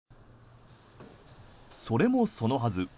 それもそのはず